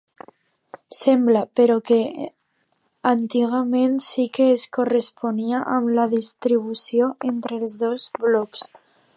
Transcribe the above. Sembla, però, que antigament sí que es corresponia amb la distribució entre els dos blocs.